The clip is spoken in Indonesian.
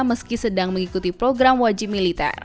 meski sedang mengikuti program wajib militer